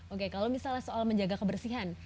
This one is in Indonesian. oke kalau misalnya soal menjaga kebersihan